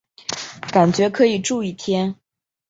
感觉可以住一天